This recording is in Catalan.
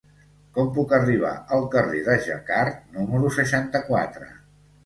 Com puc arribar al carrer de Jacquard número seixanta-quatre?